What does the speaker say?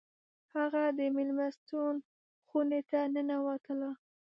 هغه د میلمستون خونې ته ننوتله